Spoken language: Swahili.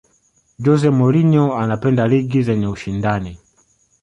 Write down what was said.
jose mourinho anapenda ligi zenye ushindani